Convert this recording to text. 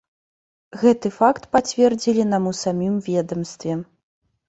Гэты факт пацвердзілі нам у самім ведамстве.